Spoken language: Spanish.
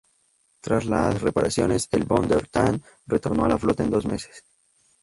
Tras las reparaciones, el "Von der Tann" retornó a la flota en dos meses.